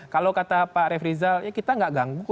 kalau kata pak refri zal ya kita nggak ganggu